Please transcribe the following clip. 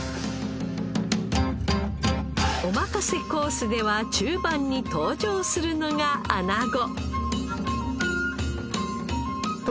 おまかせコースでは中盤に登場するのがアナゴ。